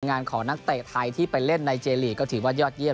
งานของนักเตะไทยที่ไปเล่นในเจลีกก็ถือว่ายอดเยี่